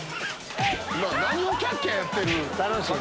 何をキャッキャやってる？